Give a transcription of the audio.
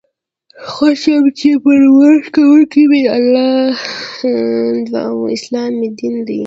خوښ یم چې پر ورش کوونکی می الله دی او اسلام می دین دی.